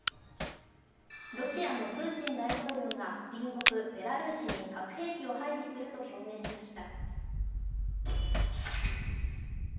ロシアのプーチン大統領が隣国ベラルーシに核兵器を配備すると表明しました。